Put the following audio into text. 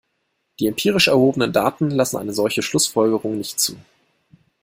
Die empirisch erhobenen Daten lassen eine solche Schlussfolgerung nicht zu.